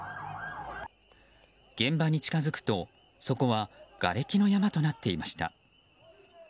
現場に近づくと、そこはがれきの山となっていました。